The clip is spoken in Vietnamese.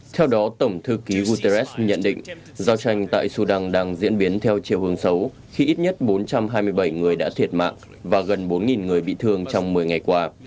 theo đó tổng thư ký guterres nhận định giao tranh tại sudan đang diễn biến theo chiều hướng xấu khi ít nhất bốn trăm hai mươi bảy người đã thiệt mạng và gần bốn người bị thương trong một mươi ngày qua